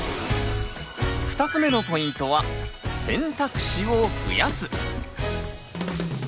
２つ目のポイントは「選択肢を増やす」。